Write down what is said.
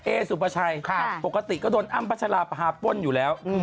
เอสุปชัยปกติก็โดนอ้ำพระชาลาภาพป้นอยู่แล้ว